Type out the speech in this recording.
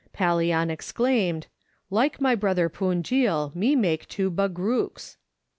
Pallian exclaimed, " like my brother Punjil, me make two Bagrooks."